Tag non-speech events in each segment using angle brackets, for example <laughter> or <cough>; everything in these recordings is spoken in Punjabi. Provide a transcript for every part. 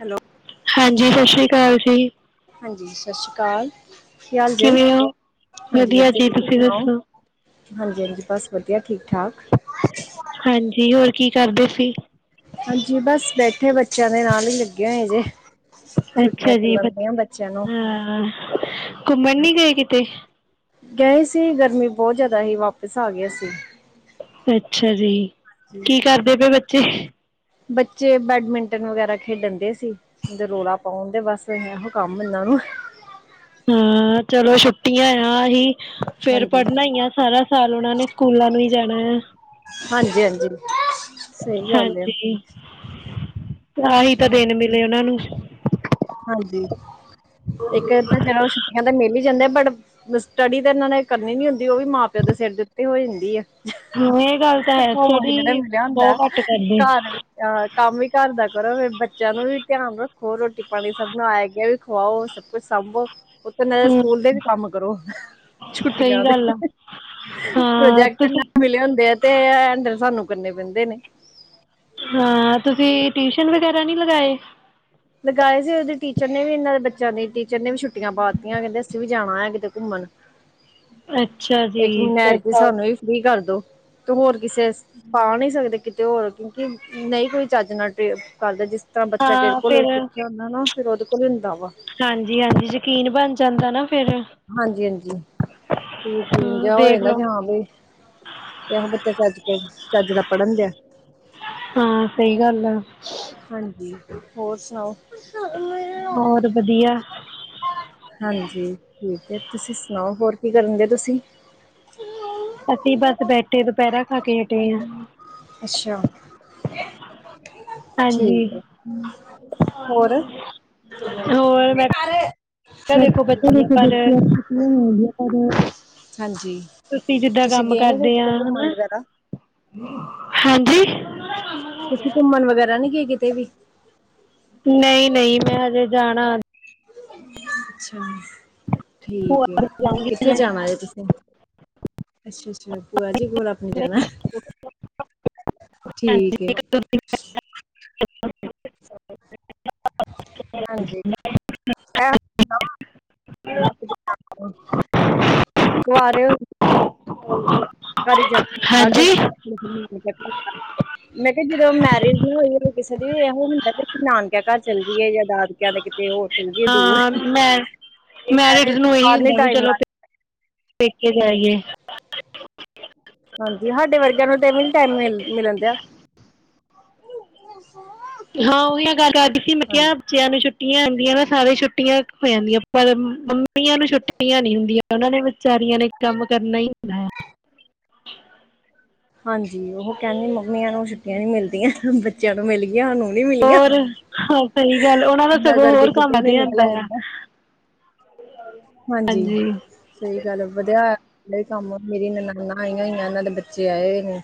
ਹੈਲੋ ਹਾਂਜੀ ਸਤਿ ਸ਼੍ਰੀ ਅਕਾਲ ਜੀ ਹਾਂਜੀ ਸਤਿ ਸ਼੍ਰੀ ਅਕਾਲ ਕੀ ਹਾਲ ਜੇ ਕਿਵੇਂ ਹੋ ਹਾਂਜੀ ਵਧੀਆ ਜੀ ਤੁਸੀ ਤੁਸੀਂ ਸੁਣਾਓ ਦੱਸੋ ਹਾਂਜੀ -ਹਾਂਜੀ ਬਸ ਵਧੀਆ ਠੀਕ ਠਾਕ ਹਾਂਜੀ ਹੋਰ ਕੀ ਕਰਦੇ ਸੀ ਹਾਂਜੀ ਬਸ ਬੈਠੇ ਬੱਚਿਆਂ ਦੇ ਨਾਲ ਹੀ ਲੱਗੇ ਹੋਏ ਜੇ ਛੁੱਟੀਆਂ ਅੱਛਾ ਜੀ ਚੱਲਣ ਬ ਦੀਆਂ ਬੱਚਿਆਂ ਨੂੰ ਹਾਂ ਘੁੰਮਣ ਨੀ ਗਏ ਕਿਤੇ ਗਏ ਸੀ ਗਰਮੀ ਬਹੁਤ ਜ਼ਿਆਦਾ ਸੀ ਵਾਪਿਸ ਆ ਗਏ ਸੀ ਅੱਛਾ ਜੀ ਕੀ ਕਰਦੇ ਪਏ ਬੱਚੇ ਬੱਚੇ ਬੈਡਮਿੰਟਨ ਵਗੈਰਾ ਖੇਡਣ ਦੇ ਸੀ ਰੌਲਾ ਪਾਉਣ ਤੇ ਬਸ ਇਹੋ ਕੰਮ ਇਹਨਾਂ ਨੂੰ ਹਾਂ ਚਲੋ ਛੁੱਟੀਆਂ ਆਹੀ ਫੇਰ ਹਾਂਜੀ ਪੜ੍ਹਨਾ ਹੀ ਆ ਸਾਰਾ ਸਾਲ ਉਹਨਾ ਨੇ ਸਕੂਲਾਂ ਨੂੰ ਹੀ ਜਾਣਾ ਹੈ ਹਾਂਜੀ ਹਾਂਜੀ ਸਹੀ ਗੱਲ ਹੈ ਹਾਂਜੀ ਆਹੀ ਤਾਂ ਦਿਨ ਮਿਲੇ ਉਹਨਾਂ ਨੂੰ ਹਾਂਜੀ ਇੱਕ ਤਾਂ ਚਲੋ ਛੁੱਟੀਆਂ ਤਾਂ ਮਿਲ ਹੀ ਜਾਂਦੇ ਬਟ ਸਟੱਡੀ ਤਾਂ ਇਹਨਾਂ ਨੇ ਕਰਨੀ ਨੀ ਹੁੰਦੀ ਉਹ ਵੀ ਮਾਂ ਪਿਓ ਦੇ ਸਿਰ ਦੇ ਉੱਤੇ ਹੋ ਜਾਂਦੀ ਆ ਹਾਂ ਇਹ ਗੱਲ ਤਾਂ ਹੈ ਹੋ ਇਹਨਾਂ ਦਾ ਸਟੱਡੀ ਮਿਲਿਆ ਬਹੁਤ ਹੁੰਦਾ ਘੱਟ ਕਰਦੇ ਘਰ ਹਹ ਕੰਮ ਵੀ ਘਰ ਦਾ ਕਰੋ ਫਿਰ ਬੱਚਿਆਂ ਨੂੰ ਵੀ ਧਿਆਨ ਰੱਖੋ ਰੋਟੀ ਪਾਣੀ ਸਭ ਨੂੰ ਆਇਆ ਗਿਆ ਵੀ ਖਵਾਓ ਸਭ ਕੁੱਛ ਸਾਂਭੋ ਤੇ ਸਕੂਲ ਦੇ ਹਮ ਵੀ ਕੰਮ ਕਰੋ ਸਹੀ ਛੁੱਟੀਆਂ ਦੇ ਗੱਲ ਆ ਹਾਂ ਪ੍ਰੋਜੈਕਟ ਤੁਸੀਂ ਨਾਲ ਮਿਲੇ ਹੁੰਦੇ ਆ ਤੇ ਹੈਂਡਲ ਸਾਨੂੰ ਕਰਨੇ ਪੈਂਦੇ ਨੇ ਹਾਂ ਤੁਸੀਂ ਟਿਊਸ਼ਨ ਵਗੈਰਾ ਨਹੀਂ ਲਗਾਏ ਲਗਾਏ ਸੀ ਉਹਦੇ ਟੀਚਰ ਨੇ ਵੀ ਇਹਨਾਂ ਦੇ ਬੱਚਿਆਂ ਦੇ ਟੀਚਰ ਨੇ ਵੀ ਛੁੱਟੀਆਂ ਪਾ ਦਿੱਤੀਆਂ ਕਹਿੰਦੇ ਅਸੀਂ ਵੀ ਜਾਣਾ ਹੈ ਕਿਤੇ ਘੁੰਮਣ ਅੱਛਾ ਜੀ ਇੱਕ ਮਹੀਨੇ ਐਰ ਫਿਰ ਕੇ ਤਾਂ ਸਾਨੂੰ ਵੀ ਫ੍ਰਰੀ ਕਰਦੋ ਤੂੰ ਹੋਰ ਕਿਸੇ ਪਾ ਨਹੀਂ ਸਕਦੇ ਕਿਤੇ ਹੋਰ ਕਿਉਂਕਿ ਨਹੀਂ ਕੋਈ ਚੱਜ ਨਾਲ ਟ ਕਰਦਾ ਜਿਸ ਤਰ੍ਹਾਂ ਬੱਚਾ ਹਾਂ ਬਿਲਕੁਲ ਫਿਰ ਹੁੰਦਾ ਨਾ ਫੇਿਰ ਉਹਦੇ ਕੋਲ ਹੀ ਹੁੰਦਾ ਵਾ ਹਾਂਜੀ ਹਾਂਜੀ ਯਕੀਨ ਬਣ ਜਾਂਦਾ ਨਾ ਫਿਰ ਹਾਂਜੀ ਹਾਂਜੀ ਤੇ ਜਿ ਹੋ ਹਮ ਜਾਂਦਾ ਦੇਖਲੋ ਜ ਹਾਂ ਬਈ ਕਿੋ ਬੱਚਾ ਚੱਜ ਕੋਲ ਚੱਜ ਦਾ ਪੜ੍ਹਨ ਡਿਆ ਹਾਂ ਸਹੀ ਗੱਲ ਆ। ਹਾਂਜੀ ਹੋਰ ਸੁਣਾਓ ਹੋਰ ਵਧੀਆ ਹਾਂਜੀ ਠੀਕ ਹੈ ਤੁਸੀਂ ਸੁਣਾਓ ਹੋਰ ਕੀ ਕਰਨ ਡ ਤੁਸੀਂ <unintelligible> ਅਸੀਂ ਬਸ ਬੈਠੇ ਦੁਪਹਿਰਾ ਖਾ ਕੇ ਹਟੇ ਹਾਂ ਅੱਛਾ ਹਾਂਜੀ ਠੀਕ ਆ ਹੋਰ। ਹੋਰ ਮੈਂ ਆ ਕਿਹਾ ਦੇਖੋ ਬੱਚੀਆਂ ਪਰ ਹਾਂਜੀ ਤੁਸੀਂ ਜਿੱਦਾਂ ਕੰਮ ਗਏ ਨੀ ਫਿਰ ਕਰਦੇ ਕਿਤੇ ਹ ਘੁੰਮਣ ਹਨਾ ਵਗੈਰਾ? ਹਾਂਜੀ ਤੁਸੀਂ ਘੁੰਮਣ ਵਗੈਰਾ ਨੀ ਗਏ ਕਿਤੇ ਵੀ ਨਹੀਂ ਨਹੀਂ ਮੈਂ ਹਜੇ ਜਾਣਾ ਅੱਛਾ ਭੂਆ ਠੀਕ ਹੈ ਦੇ ਕਿੱਥੇ ਜਾਊਂਗੀ ਜਾਣਾ ਜ ਤੁਸੀਸੀਂ ਅੱਛਾ ਅੱਛਾ ਭੂਆ ਜੀ ਕੋਲ ਆਪਣੇ ਜਾਣਾ ਅੱ ਠੀਕ ਏ ਹਾਂਜੀ ਇਹ ਹ ਕਵਾ ਰਹੇ ਹੋ। ਘ ਹੁੰ ਹਾਂਜੀ ਮੈਂ ਕਿਹਾ ਜਦੋਂ ਮੈਰਿਜ ਨਾ ਹੋਈ ਕਿਸੇ ਦੀ ਇਹੋ ਹੁੰਦਾ ਨਾਨਕਿਆਂ ਘਰ ਚੱਲ ਜਾਈਏ ਜਾਂ ਦਾਦਕਿਆਂ ਦੇ ਤੇ ਹੋਰ ਸੁ ਹਾਂ ਮੈ ਮੈਰਿਡ ਤੋਂ ਨੂੰ ਇਹੀ ਬਾਅਦ ਨੀ ਹੁੰਦਾ ਵੀ ਟਾਈਮ ਚਲੋ। ਲੱਗ ਪ ਕੇ ਜਾਈਏ। ਹਾਂਜੀ ਸਾਡੇ ਵਰਗਿਆਂ ਨੂੰ ਟਵੇ ਟਾਈਮ ਮਿਲ ਮਿਲਣ ਡ ਆ ਅਛ ਹਾਂ ਉਹੀ ਗੱਲ ਕਰਦੀ ਸੀ ਮੈਂ ਕਿਹਾ ਬੱਚਿਆਂ ਨੂੰ ਛੁੱਟੀਆਂ ਆਉਂਦੀਆਂ ਨਾ ਸਾਰੇ ਛੁੱਟੀਆਂ ਹੋ ਜਾਂਦੀਆਂ ਪਰ ਮੰਮੀਆਂ ਨੂੰ ਛੁੱਟੀੀਆਂ ਨ ਹੁੰਦੀਆਂ ਉਹਨਾਂ ਨੇ ਵਿਚਾਰੀਆਂ ਨੇ ਕੰਮ ਕਰਨਾ ਹੀ ਹੁੰਦਾ ਹੈ। ਹਾਂਜੀ ਉਹ ਕਹਿੰਦੇ ਮੰਮੀਆਂ ਨੂੰ ਛੁੱਟੀਆਂ ਨੀ ਮਿਲਦੀਆਂ ਬੱਚਿਆਂ ਨੂੰ ਮਿਲ ਗ ਉਹ ਨੀ ਮਿਲੀਆਂ ਹੋਰ ਹਾਂ ਸਹੀ ਗੱਲ ਉਹਨਾਂ ਦਾ ਇਨਾ ਸਗੋਂ ਕਰਕੇ ਹੋਰ ਕੰਮ ਕਿਤੇ ਵਧ ਵੀ ਜਾਂਦਾ ਆ ਨਿਕਲਿਆ ਹਾਂਜੀ ਸਹੀ ਗੱਲ ਏ ਵਧਿਆ ਹੋਇਆ ਏ ਹਲੇ ਵੀ ਕੰਮ ਮੇਰੀ ਨਣਾਨ੍ਹਾਂ ਆਈਆਂ ਹੋਈਆਂ ਨੇ ਨਾਲ ਬੱਚੇ ਆਏ ਹੋਏ ਨੇ।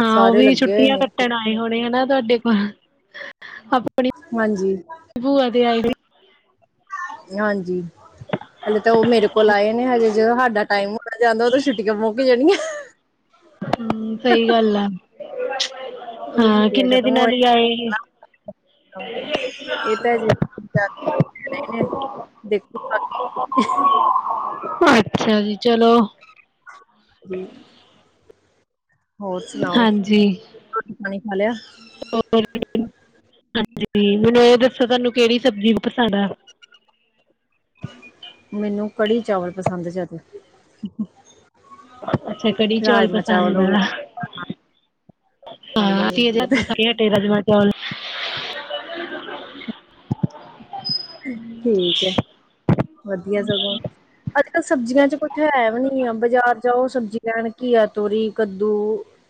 ਹਾਂ ਉਹ ਸਾਰੇ ਵੀ ਲੱਗੇ ਹੋਏ ਛੁੱਟੀਆਂ ਨੇ ਇੱਥੇ। ਕੱਟਣ ਆਏ ਹੋਣੇ ਨਾ ਤੁਹਾਡੇ ਕੋਲ ਆਪਣੇ ਮਾਂਜੀ। ਬੁਆ ਦੇ ਆਈ ਹੋਈ ਹਾਂਜੀ, ਹਲੇ ਤਾਂ ਓ ਮੇਰੇ ਕੋਲ ਆਏ ਨੇ ਹਜੇ ਜਦੋਂ ਸਾਡਾ ਟਾਈਮ ਮੁੱਕ ਜਾਂਦਾ ਉਦੋ ਛੁੱਟੀਆਂ ਮੁੱਕ ਜਾਣੀਆਂ। ਸਈ ਗੱਲ ਆ ਉਦੋਂ ਹਾਂ ਕਿੰਨੇ ਦਿਨਾਂ ਲਈ ਆਏ ਏਹ? ਕੰਪਨੀ ਇਹ ਤਾਂ <unintelligible> ਦੇਖ। <unintelligible> ਅੱਛਾ ਜੀ ਚਲੋ। ਹਮ। <unintelligible> ਹਾਂਜੀ। ਰੋਟੀ, ਪਾਣੀ ਖਾ ਲਿਆ। ਰ ਹਾਂਜੀ <unintelligible> ਮੈਨੂੰ ਇਹ ਦੱਸੋ ਤੁਹਾਨੂੰ ਕਿਹੜੀ ਸਬਜ਼ੀ ਪਸਦ ਆ। ਮੈਨੂੰ ਕੜੀ ਚਾਵਲ ਪਸੰਦ ਜਾਦੇ। ਅੱਛਾ। ਕੜੀ ਚੌਲ ਚਾਵਲ ਪਸੰਦ ਹੋ ਆ। ਗਏ ਖਾਂਦੇ ਹਾਂ, ਮੈਨੂੰ ਅਸੀ ਅਜੇ ਬਹੁਤ ਰਾਤੀ ਖਾ ਕੇ ਹਟੇ ਰਜਮਾਂ ਚੌਲ। ਠੀਕ ਐ ਵਧੀਆ ਸਗੋਂ। ਅੱਜ ਕੱਲ੍ਹ ਸਬਜ਼ੀਆਂ ਚ ਕੁੱਛ ਹੈ ਵੀ ਨੀ ਐ ਬਾਜ਼ਾਰ ਜਾਓ ਸਬਜ਼ੀ ਲੈਣ ਘੀਆ, ਤੋਰੀ ਕੱਦੂ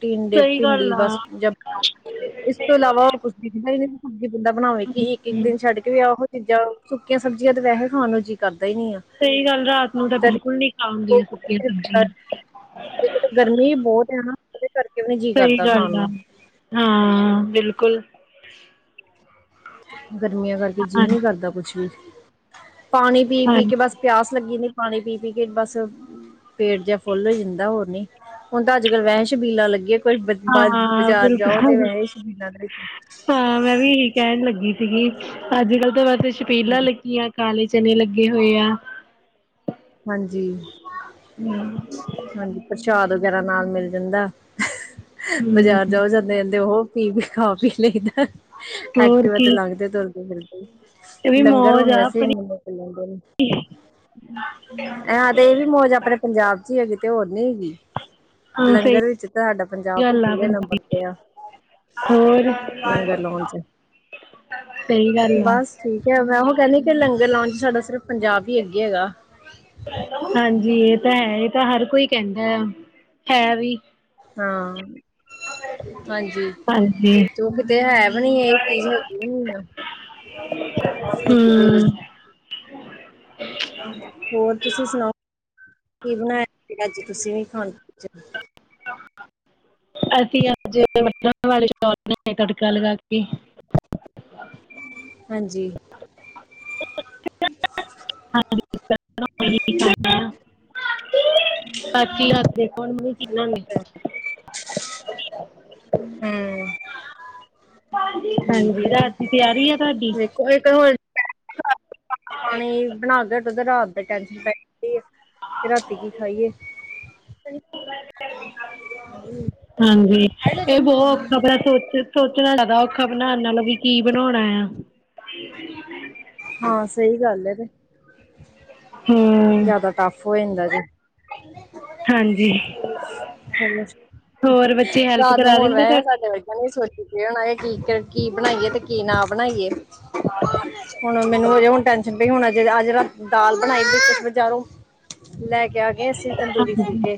ਟੀਂਡੇ, ਸਹੀ ਭਿੰਡੀ ਗੱਲ ਆ ਬਸ। <unintelligible> ਇਸ ਤੋਂ ਇਲਾਵਾ ਹੋਰ ਕੁਛ ਦਿਖਦਾ ਈ ਨੀ। ਸਬਜੀ ਬੰਦਾ ਬਣਾਵੇ ਕਿ ਇੱਕ ਇੱਕ ਦਿਨ ਛੱਡ ਕੇ ਵੀ ਉਹ ਚੀਜ਼ਾਂ ਸੁੱਕੀਆਂ ਸਬਜ਼ੀਆਂ ਤੇ ਵੈਸੇ ਈ ਖਾਣ ਨੂੰ ਜੀ ਕਰਦਾ ਹੀ ਨੀ ਆ। ਸਹੀ ਗੱਲ ਰਾਤ ਨੂੰ ਤਾਂ ਬਿਲਕੁਲ ਨਹੀਂ ਖਾ ਹੁੰਦੀਆਂ ਸੁੱਕੀਆਂ ਸਬਜ਼ੀਆਂ। ਇੱਕ ਤੇ ਗਰਮੀ ਬੌਤ ਏ ਨਾ। ਉਹਦੇ ਕਰਕੇ ਵੀ ਨੀ ਜੀਅ ਸਹੀ ਕਰਦਾ ਗੱਲ ਖਾਣ ਆ, ਨੂੰ ਹਾਂ ਬਿਲਕੁਲ। ਗਰਮੀਆਂ ਕਰਕੇ ਜੀਅ ਹਾਂਜੀ ਨਹੀਂ ਕਰਦਾ ਕੁਛ ਵੀ ਪਾਣੀ ਪੀ ਪੀ ਹਾਂਜੀ ਕੇ ਬਸ ਪਿਆਸ ਲੱਗੀ ਨੀ ਪਾਣੀ ਪੀ ਪੀ ਕੇ ਬਸ ਪੇਟ ਜਿਹਾ ਫੁੱਲ ਹੋਈ ਜਾਂਦਾ ਹੋਰ ਨੀ। ਹੁਣ ਤਾਂ ਅੱਜ ਕਲ ਵੈ ਸ਼ਬੀਲ ਲੱਗੀਆਂ ਕੋਈ ਬਾ ਹਾਂ ਬਾਜ਼ਾਰ ਜਾਓ ਤੇ ਬਿਲਕੁਲ ਵੈ ਹੀ ਸ਼ਬੀਲਾਂ ਲੱਗੀ। ਹਾਂ, ਮੈਂ ਵੀ ਇਹੀ ਕਹਿਣ ਲੱਗੀ ਸੀਗੀ ਅੱਜ ਕੱਲ੍ਹ ਤਾਂ ਵੈਸੇ ਛਪੀਲਾਂ ਹਾਂਜੀ ਲੱਗੀਆਂ। ਕਾਲੇ ਚਨੇ ਲੱਗੇ ਹੋਏ ਆ। ਹਾਂਜੀ। ਹਮ। <unintelligible> ਹਾਂਜੀ, ਪ੍ਰਸ਼ਾਦ ਵਗੈਰਾ ਨਾਲ ਮਿਲ ਜਾਂਦਾ ਬਜ਼ਾਰ ਹਮ ਜਾਓ ਜਦ ਦੇਂਦੇ ਉਹ। ਫੇ ਵੀ ਖਾ ਪੀ ਲਈਦਾ ਹੋਰ ਐਕਟਿਵਾ ਕੀ ਤੇ ਲੰਘਦੇ ਤੁਰਦੇ ਫਿਰਦੇ। ਇਹ ਵੀ ਲੰਗਰ ਮੌਜ ਹੁਣ ਆ ਵੈਸੇ ਇੰਨੇ ਆਪਣੀ ਮੁਕ ਲੈਂਦੇ ਨੇ। <unintelligible> ਇਨਾ ਦੇ ਏ ਵੀ ਮੌਜ ਆ ਆਪਣੇ ਪੰਜਾਬ ਚ ਹੀ ਹੈਗੀ ਤੇ ਹੋਰ ਨੀ ਹੈਗੀ। ਹਾਂ ਸਹੀ ਲੰਗਰ ਵਿੱਚ ਤੁਹਾਡਾ ਪੰਜਾਬ ਵੀ ਗੱਲ ਆ ਪੁਲ੍ਹੇ ਪੰਜਾਬ ਨੰਬਰ ਤੇ ਆ। ਹੋਰ, ਲੰਗਰ ਲਾਉਣ ਚ ਸਈ ਗੱਲ ਆ। ਬਸ ਠੀਕ ਹੈ ਮੈਂ ਉਹ ਕਹਿਨੀ ਕਿ ਲੰਗਰ ਲਾਉਣ ਚ ਸਾਡਾ ਸਿਰਫ ਪੰਜਾਬ ਹੀ ਅੱਗੇ ਹੈਗਾ। ਹਾਂਜੀ ਏ ਤਾਂ ਹੈ ਈ ਏ ਤਾਂ ਹਰ ਕੋਈ ਕਹਿੰਦਾ ਆ ਹੈ ਵੀ। ਹਾਂ ਹਾਂਜੀ ਹਾਂਜੀ ਚੁੱਕ ਤੇ ਹੈ ਵੀ ਨੀ ਏ, ਏ ਚੀਜ਼ ਹੈਗੀ ਵੀ ਨੀ ਏ। ਹੂੰ ਹੋਰ ਤੁਸੀਂ ਸੁਣਾਓ ਕੀ ਬਣਾਇਆ ਸੀਗਾ ਅੱਜ ਤੁਸੀਂ ਵੀ ਖਾਣ ਪੀਣ ਚ। ਅਸੀਂ ਅੱਜ ਵਾਲੇ ਸ਼ ਤੜਕਾ ਲਗਾ ਕੇ। <unintelligible> ਹਾਂਜੀ ਹ। <unintelligible> ਹ ਖਣਾ। <unintelligible> ਬਾਚੀ ਹੱਸਦੇਖਣ ਮ ਕਹਿਣਾਗੇ। <unintelligible> ਹਮ। ਹਾਂਜੀ ਰਾਤ ਦੀ ਤਿਆਰੀ ਆ ਤੁਹਾਡੀ। ਕੋ ਹੋਣ। ਪਾਣੀ ਬਣਾ ਕੇ ਤੇ ਰਾਤ ਦਾ ਟ ਪੈ ਰਾਤੀ ਕੀ ਖਾਈਏ। ਹਾਂਜੀ ਤੇ ਉਹ। ਆਪ ਆਪਣਾ ਸੋਚ ਸੋਚਣਾ ਜਿਆਦਾ ਔਖਾ ਬਣਾਉਣ ਨਾਲੋਂ ਵੀ ਕੀ ਬਣਾਉਣਾ ਆ। <unintelligible> ਹਾਂ ਸਹੀ ਗੱਲ ਹੈ ਤੇ। ਹਮ। ਜਿਆਦਾ ਟੱਫ ਹੋ ਜਾਂਦਾ ਦੇ। <unintelligible> ਹਾਂਜੀ। ਹ ਹੋਰ ਬੱਚੇ ਹੈਲਪ ਰਾਤ ਨੂੰ ਕਰਾ ਹੋਣ ਦਿੰਦੇ ਬਹਿ ਤੁਹਾਡੀ ਸਾਡੇ ਵਗੇ। ਉਹ ਨੇ ਸੋਚੀ ਹੋਣਾ ਕੀ- ਕੀ ਬਣਾਈਏ ਤੇ ਕੀ ਨਾ ਬਣਾਈਏ। ਹੁਣ ਮੈਨੂੰ ਹੁਣ ਟੈਸ਼ਨ ਪਈ ਹੁਣ ਅੱਜ ਦਾਲ ਬਣਾਈ ਗਈ ਵਿਚਾਰੋਂ। ਲੈ ਕੇ ਆ ਗਏ ਅਸੀਂ ਤੰਦੂਰੀ ਹਾਂਜੀ ਠੀਕ ਹੈ।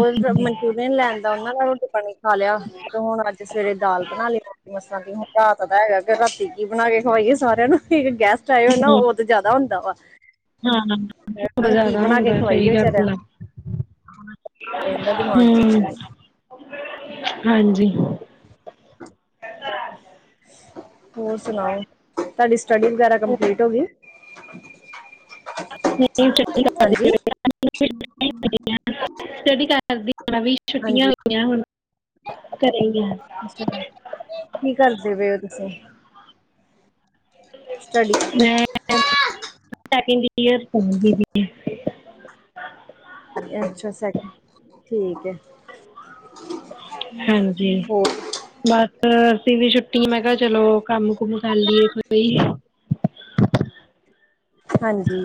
ਅੱਛਾ ਜੀ ਨ ਲੈਣਦਾ ਉਹਨਾਂ ਦਾ ਰੋਟੀ ਪਾਣੀ ਖਾ ਲਿਆ ਤੇ ਹੁਣ ਅੱਜ ਸਵੇਰੇ ਦਾਲ ਬਣਾ ਲਿਆ। ਮਸਾਂ ਹੁਣ ਰਾਤ ਤਾਂ ਹੈਗਾ ਕਿ ਰਾਤੀ ਕੀ ਬਣਾ ਕੇ ਖਵਾਈਏ ਸਾਰਿਆਂ ਨੂੰ ਇੱਕ ਗੈਸਟ। ਚਾਹੇ ਉਹ ਨਾ ਹੂੰ, ਉਹ ਤਾਂ ਜ਼ਿਆਦਾ ਹੁੰਦਾ ਵਾ। ਹਾਂ ਉਹਨਾਂ ਨੂੰ ਕੀ ਜ਼ਿਆਦਾ ਬਣਾ ਕੇ ਹੁੰਦਾ ਖਵਾਈਏ ਸਹੀ ਵਿਚਾਰਿਆਂ ਗੱਲ ਆ। ਨੂੰ ਆ ਜਾਂਦਾ ਦਿਮਾਗ ਚ ਹਮ ਹਾਂਜੀ। ਹੋਰ ਸੁਣਾਓ ਤੁਹਾਡੀ ਸਟਡੀ ਵਗੈਰਾ ਕੰਪਲੀਟ ਹੋ ਗਈ। ੰ ਹਾਂਜੀ <unintelligible> ਸਟਡੀ ਕਰਦੀ ਵੀ ਛੁੱਟੀਆਂ ਹਾਂਜੀ ਹੋਈਆਂ ਹੁਣ ਘਰ ਗਏ। ਕੀ ਕਰਦੇ ਪਏ ਹੋ ਤੁਸੀਂ। ਸਟੱਡੀ ਮੈਂ ਪੈਕਿੰਗ ਕੀਤੀ। ਅੱਛਾ ਸੈਕ ਠੀਕ ਹੈ। ਹਾਂਜੀ। ਹੋਰ ਬਸ ਅਸੀਂ ਵੀ ਛੁੱਟੀ ਮੈਂ ਕਿਹਾ ਚਲੋ ਕੰਮ ਕੁਮ ਕਰ ਲਈ‌ ਕੋਈ। ਹਾਂਜੀ।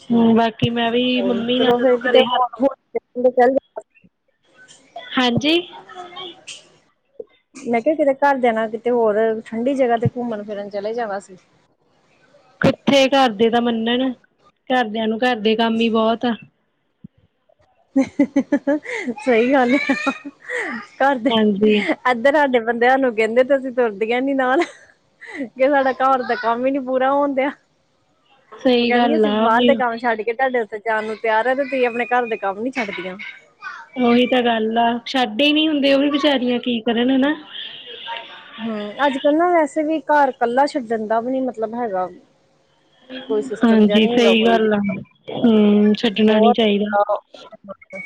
ਠੀਕ ਹੂੰ ਬਾਕੀ ਮੈਂ ਵੀ ਹੋਰ ਮੰਮੀ ਨਾਲ ਚਲੋ ਫੇਰ ਕਿਤੇ ਘਰੇ ਹੱਥ ਹੋ। ਚੱਲ। ਹਾਂਜੀ। <unintelligible> ਮੈਂ ਕਿਹਾ ਕਿਤੇ ਘਰਦਿਆਂ ਨਾਲ ਕਿਤੇ ਹੋਰ ਠੰਡੀ ਜਗ੍ਹਾ ਤੇ ਘੁੰਮਣ ਫਿਰਨ ਚਲੇ ਜਾਣਾ ਸੀ। ਕਿੱਥੇ ਘਰਦੇ ਤਾਂ ਮੰਨਣ ਘਰਦਿਆਂ ਨੂੰ ਘਰਦੇ ਕੰਮ ਹੀ ਬਹੁਤ ਆ। ਸਹੀ ਗੱਲ ਆ ਘਰ ਦੇ। ਹਾਂਜੀ ਇੱਧਰ ਸਾਡੇ ਬੰਦਿਆਂ ਸ ਨੂੰ ਕਹਿੰਦੇ ਅਸੀਂ ਤੁਰਦੀਆਂ ਨਾਲ। ਕਿ ਸਾਡਾ ਘਰ ਦਾ ਕੰਮ ਹੀ ਨੀ ਪੂਰਾ ਹੋਣ ਦਿਆ। ਉਹ ਸਹੀ ਕਹਿਣ ਗੱਲ ਅਸੀਂ ਆ ਬਾਹਰ ਦੇ ਵੀ ਕੰਮ ਛੱਡ ਕੇ ਤੁਹਾਡ ਜਾਨ ਨੂੰ ਤਿਆਰ ਹੈ ਤੇ ਤੁਸੀਂ ਆਪਣੇ ਘਰ ਦੇ। ਕਬ ਨੀ ਛੱਡਦੀਆਂ। ਉਹੀ ਤਾਂ ਗੱਲ ਆ ਛੱਡ ਹੀ ਨਹੀਂ ਹੁੰਦੇ ਉਹ ਵੀ ਬਚਾਰੀਆਂ ਕੀ ਕਰਨ ਹਨਾ। ਹਮ ਅੱਜ ਕੱਲ੍ਹ ਨਾ ਵੈਸੇ ਵੀ ਘਰ ਕੱਲਾ ਛੱਡਣ ਦਾ ਵੀ ਨੀ ਮਤਲਬ ਹੈਗਾ। ਕੋਈ ਸਿਸਟਮ ਜਿਹਾ ਹਾਂਜੀ ਨਹੀਂ ਹੈਗਾ ਸਹੀ ਕੋਈ ਵੀ ਗੱਲ ਆ ਹਮ ਛੱਡਣਾ ਨੀ ਬਹੁਤ ਚਾਹੀਦਾ।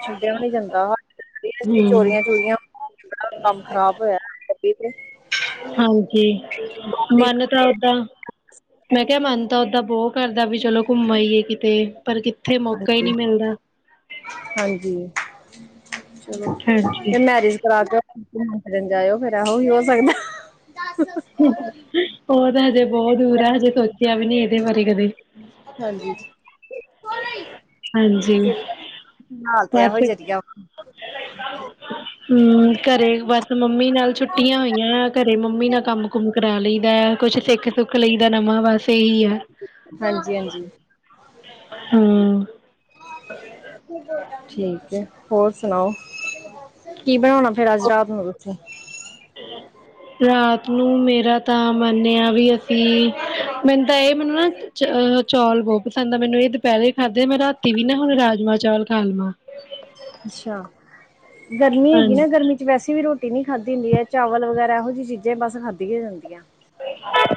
ਛੱਡਿਆ ਵੀ ਨ ਜਾਂਦਾ ਹਮ ਚੋਰੀਆਂ -ਚੋਰੀਆਂ। ਕੰਮ ਖ਼ਰਾਬ ਹੋਇਆ ਤੇ। ਹਾਂਜੀ ਦੋ ਮਨ ਤਾਂ ਤਿੰਨ ਉਦਾਂ ਮੈਂ। ਮਨ ਤਾਂ ਓਦਾਂ ਬਹੁਤ ਕਰਦਾ ਵੀ ਚਲੋ ਘੁੰਮ ਆ ਹੀਈਏ ਕਿਤੇ ਪਰ ਕਿੱਥੇ ਮੌਕਾ ਹੀ ਹਾਂਜੀ ਨਹੀਂ ਮਿਲਦਾ। ਹਾਂਜੀ ਚੋਲ ਹਾਂਜੀ ਇਹ ਮੈਰਿਜ ਕਰਾ ਕੇ। ਨ ਜਾਇਓ ਫੇਿਰ ਇਹੋ ਹੀ ਹੋ ਸਕਦਾ। ਉਹ ਤਾਂ, ਹਜੇ ਬਹੁਤ ਦੂਰ ਆ ਹਜੇ, ਸੋਚਿਆ ਵੀ ਨਹੀਂ, ਇਹਦੇ ਬਾਰੇ ਕਦੇ। ਹਾਂਜੀ, ਹਾਂਜੀ ਫਿਲਹਾਲ ਤੇ ਇਹੋ ਬਸ ਜਰੀਆ ਵਾ। <unintelligible> ਹਮ, ਘਰੇ ਬਸ, ਮੰਮੀ ਨਾਲ ਛੁੱਟੀਆਂ ਹੋਈਆਂ, ਘਰੇ ਮੰਮੀ ਨਾਲ ਕੰਮ- ਕੁੰਮ ਕਰਾ ਲਈਦਾ ਕੁਛ ਸਿੱਖ ਤੇ ਸੁੱਖ ਲਈ ਦਾ, ਨਵਾਂ ਬਸ ਇਹੀ ਆ। ਹਾਂਜੀ -ਹਾਂਜੀ। ਹਮਮ। ਠੀਕ ਹੈ, ਹੋਰ ਸੁਣਾਓ, ਕੀ ਬਣਾਉਣਾ? ਫੇਰ, ਅੱਜ ਰਾਤ ਨੂੰ, ਉੱਥੇ। ਰਾਤ ਨੂੰ, ਮੇਰਾ ਤਾਂ ਮੰਨਿਆ ਵੀ, ਅਸੀਂ ਮੈਨੂੰ ਤਾਂ ਇਹ ਮੈਨੂੰ ਨਾ ਚੌਲ ਬਹੁਤ ਪਸੰਦ ਆ, ਮੈਂਨੂੰ ਇਹ ਦੁਪਹਿਰੇ ਖਾਧੇ, ਮੈਂ ਰਾਤੀ ਵੀ ਨਾ, ਹੁਣ ਰਾਜਮਾਂ ਚੌਲ ਖਾ ਲਵਾਂ। ਅੱਛਾ, ਗਰਮੀ ਹੈਗੀ ਨਾ, ਹਾਂਜੀ ਗਰਮੀ ਚ ਵੈਸੇ ਵੀ ਰੋਟੀ ਰੋਟੀ ਨਹੀਂ ਖਾਧੀ ਹੁੰਦੀ ਹੈ, ਚਾਵਲ ਵਗੈਰਾ, ਇਹੋ ਜਿਹੀ ਚੀਜ਼ਾਂ, ਬਸ ਖਾਧੀਆਂ ਜਾਂਦੀਆਂ।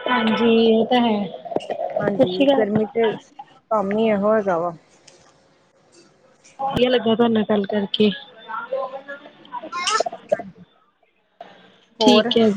ਹਾਂਜੀ, ਇਹ ਤਾਂ ਹੈ। ਸਤਿ ਹਾਂਜੀ, ਸ਼੍ਰੀ ਅਕਾਲ ਗਰਮੀ ਤੇ ਕੰਮ ਹੀ, ਇਹੋ ਹੈਗਾ ਵਾ। ਵਧੀਆ ਲੱਗਾ, ਤੁਹਾਡੇ ਨਾਲ ਗੱਲ ਕਰਕੇ। <unintelligible> ਹੋਰ ਠੀਕ ਹੈ।